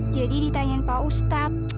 jadi ditanyain pak ustadz